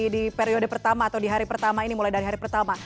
di periode pertama atau di hari pertama ini mulai dari hari pertama